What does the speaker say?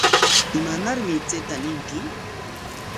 ¿Imanarmi chayta ñinki?